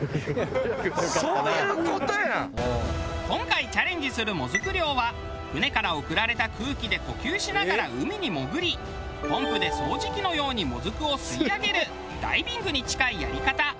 今回チャレンジするもずく漁は船から送られた空気で呼吸しながら海に潜りポンプで掃除機のようにもずくを吸い上げるダイビングに近いやり方。